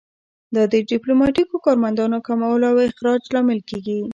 دا د ډیپلوماتیکو کارمندانو کمولو او اخراج لامل کیږي